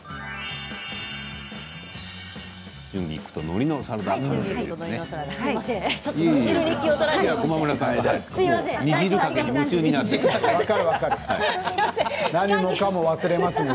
春菊とのりのサラダですね。